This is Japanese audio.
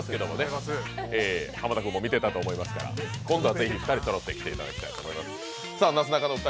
浜田君も見ていたと思いますから、今度はぜひ２人そろって来ていただきたいと思います。